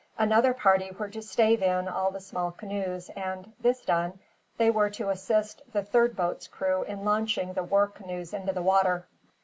Another party were to stave in all the small canoes and, this done, they were to assist the third boat's crew in launching the war canoes into the water.